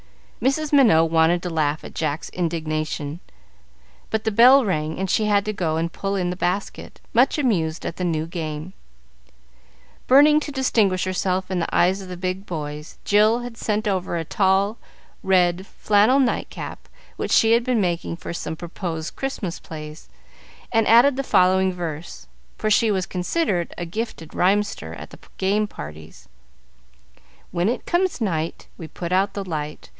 Mrs. Minot wanted to laugh at Jack's indignation, but the bell rang, and she had to go and pull in the basket, much amused at the new game. Burning to distinguish herself in the eyes of the big boys, Jill had sent over a tall, red flannel night cap, which she had been making for some proposed Christmas plays, and added the following verse, for she was considered a gifted rhymester at the game parties: "When it comes night, We put out the light.